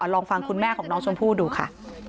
ลองฟังคุณแม่ของน้องชมพู่ดูค่ะ